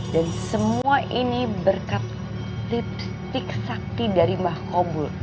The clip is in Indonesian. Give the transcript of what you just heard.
dan semua ini berkat lipstick sakti dari mbah kobul